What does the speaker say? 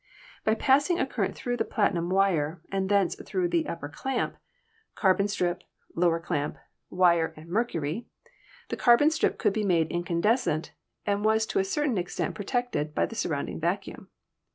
By passing a current through the platinum wire, and thence through the upper clamp, 234 ELECTRICITY carbon strip, lower clamp, wire and mercury, the carbon strip could be made incandescent, and was to a certain ex tent protected by the surrounding vacuum.